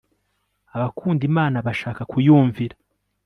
abakunda imana bashaka kuyumvira